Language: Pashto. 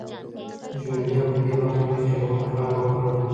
ژوليا په دې برخه کې ژور کار وکړ.